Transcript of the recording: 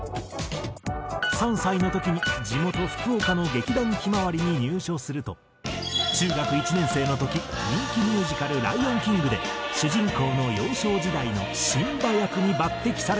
３歳の時に地元福岡の劇団ひまわりに入所すると中学１年生の時人気ミュージカル『ライオンキング』で主人公の幼少時代のシンバ役に抜擢されたのだが。